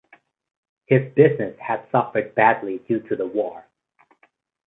His business had suffered badly due to the war.